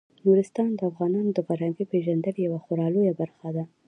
نورستان د افغانانو د فرهنګي پیژندنې یوه خورا لویه برخه ده.